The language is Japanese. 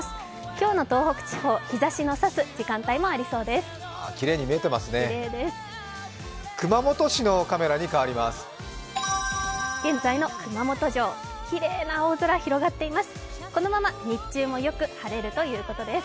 今日の東北地方、日ざしの差す時間帯もありそうです。